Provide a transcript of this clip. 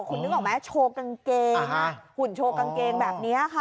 คุณนึกออกไหมโชว์กางเกงหุ่นโชว์กางเกงแบบนี้ค่ะ